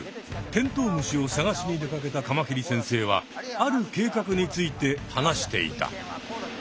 テントウムシを探しに出かけたカマキリ先生はある計画について話していた。